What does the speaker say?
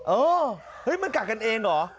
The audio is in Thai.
เออเฮ้ยมันกัดกันเองเหรอ